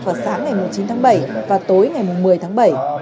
vào sáng ngày một mươi chín tháng bảy và tối ngày một mươi tháng bảy